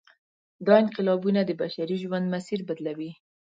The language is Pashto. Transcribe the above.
دا انقلابونه د بشري ژوند مسیر بدلوي.